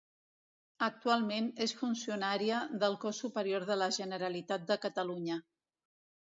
Actualment és funcionària del Cos Superior de la Generalitat de Catalunya.